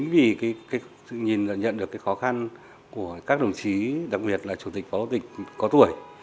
vì nhận được khó khăn của các đồng chí đặc biệt là chủ tịch phó tịch có tuổi